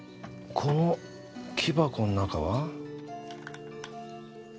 この木箱の中は。